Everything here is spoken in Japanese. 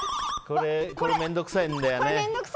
これ面倒くさいんだよね。